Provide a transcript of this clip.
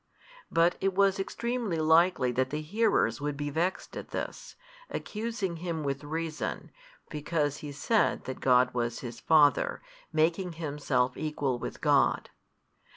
But it was extremely likely that the hearers would be vexed at this, accusing Him with reason, because He said that God was His Father, making Himself equal with God.